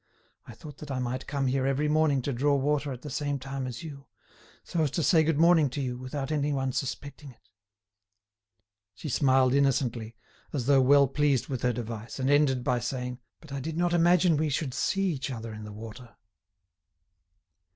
I thought that I might come here every morning to draw water at the same time as you, so as to say good morning to you without anyone suspecting it." She smiled innocently, as though well pleased with her device, and ended by saying: "But I did not imagine we should see each other in the water."